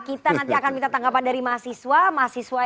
kita nanti akan minta tanggapan dari mahasiswa mahasiswa